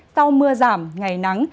sau mưa giảm ngày nắng